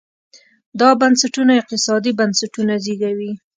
دا بنسټونه اقتصادي بنسټونه زېږوي.